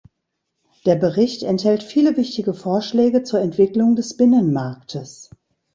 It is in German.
Der Bericht enthält viele wichtige Vorschläge zur Entwicklung des Binnenmarktes.